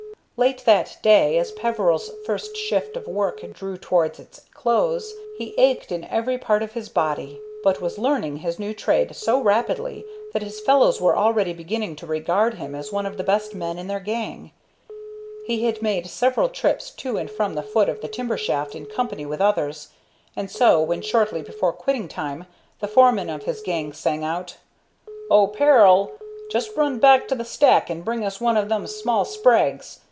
Late that day, as Peveril's first shift of work drew towards its close, he ached in every part of his body, but was learning his new trade so rapidly that his fellows were already beginning to regard him as one of the best men in their gang. He had made several trips to and from the foot of the timber shaft in company with others, and so, when, shortly before quitting time, the foreman of his gang sang out: "Oh, Peril! Just run back to the stack and bring us one of them small sprags.